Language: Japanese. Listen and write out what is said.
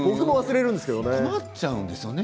困っちゃうんですよね